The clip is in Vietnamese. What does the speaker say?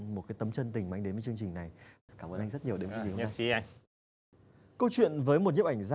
một cái tâm trân tình